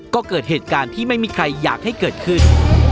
ก็เกิดเหตุการณ์ที่ไม่มีใครอยากให้เกิดขึ้น